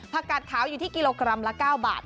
กาดขาวอยู่ที่กิโลกรัมละ๙บาท